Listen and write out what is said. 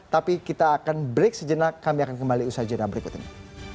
tapi kita akan break sejenak kami akan kembali usaha jenah berikut ini